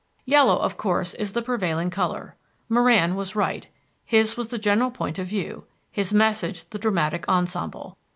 Yellow, of course, is the prevailing color. Moran was right. His was the general point of view, his message the dramatic ensemble.